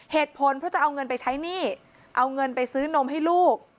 เหตุผลเพราะจะเอาเงินไปใช้หนี้เอาเงินไปซื้อนมให้ลูก